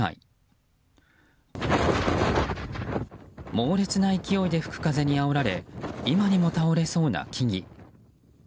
猛烈な勢いで吹く風にあおられ今にも倒れそうな木々。